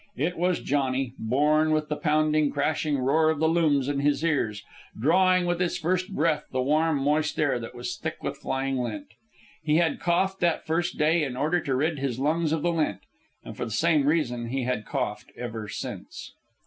It was Johnny, born with the pounding, crashing roar of the looms in his ears, drawing with his first breath the warm, moist air that was thick with flying lint. He had coughed that first day in order to rid his lungs of the lint; and for the same reason he had coughed ever since.